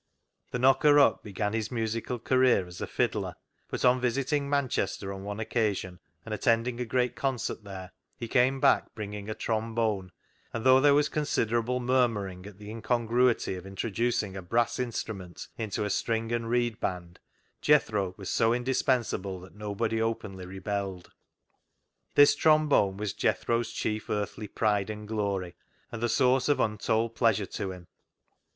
The knocker up began his musical career as a fiddler, but on visiting Manchester on one occasion, and attending a great concert there, he came back bringing a trombone, and though there was considerable murmuring at the in 10 146 CLOG SHOP CHRONICLES congruity of introducing a brass instrument into a string and reed band, Jethro was so indispensable that nobody openly rebelled. This trombone was Jethro's chief earthly pride and glory, and the source of untold pleasure to him.